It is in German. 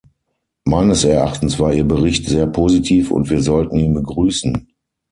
Meines Erachtens war ihr Bericht sehr positiv und wir sollten ihn begrüßen.